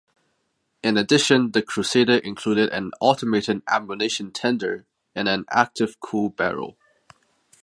In addition the Crusader included an automated ammunition tender, and an active cooled barrel.